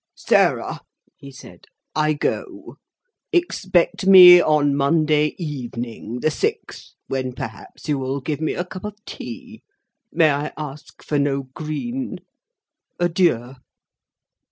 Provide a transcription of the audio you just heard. "Sarah," he said, "I go. Expect me on Monday evening, the Sixth, when perhaps you will give me a cup of tea;—may I ask for no Green? Adieu!"